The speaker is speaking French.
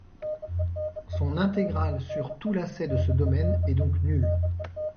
Son intégrale sur tout lacet de ce domaine est donc nulle.